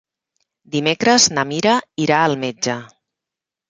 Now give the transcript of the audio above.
Dimecres na Mira irà al metge.